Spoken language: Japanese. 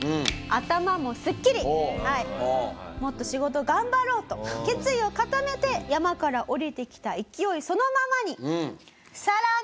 もっと仕事頑張ろうと決意を固めて山から下りてきた勢いそのままに。